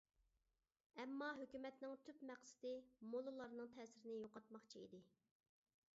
ئەمما ھۆكۈمەتنىڭ تۈپ مەقسىتى موللىلارنىڭ تەسىرىنى يوقاتماقچى ئىدى.